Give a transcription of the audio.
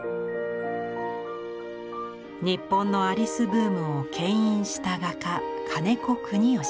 日本のアリスブームをけん引した画家金子國義。